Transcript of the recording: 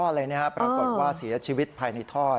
ปรากฏว่าเสียชีวิตภายในท่อ